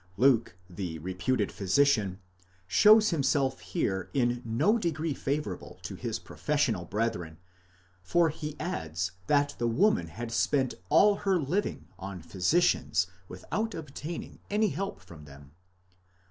Luke, the reputed physician, shows himself here in no degree favourable to his professional brethren, for he adds that the woman had spent all her living on physicians without obtaining any help from them.